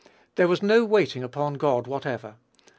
There was no waiting upon God whatever.